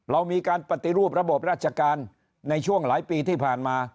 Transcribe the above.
เรามีการปฏิรูประบบราชการในช่วงหลายปีที่ผ่านมา